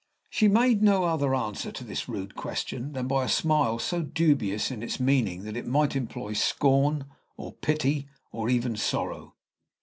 She made no other answer to this rude question than by a smile so dubious in its meaning, it might imply scorn, or pity, or even sorrow.